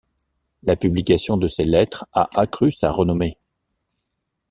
La publication de ses lettres a accru sa renommée.